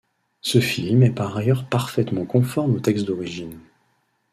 Ce film est par ailleurs parfaitement conforme au texte d'origine.